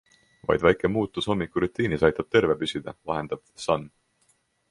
Vaid väike muutus hommikurutiinis aitab terve püsida, vahendab The Sun.